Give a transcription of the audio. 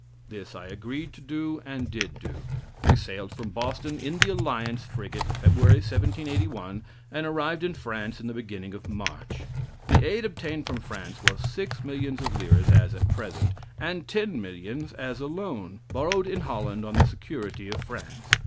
This I agreed to do, and did do. We sailed from Boston in the Alliance frigate February, 1781, and arrived in France in the beginning of March. The aid obtained from France was six millions of livres, as at present, and ten millions as a loan, borrowed in Holland on the security of France.